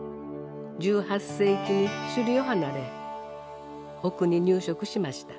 １８世紀に首里を離れ奥に入植しました。